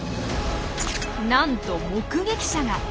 なんと目撃者が！